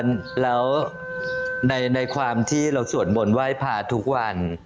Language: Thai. แล้วในความที่เราสวดมนต์ไหว้พาทุกวัน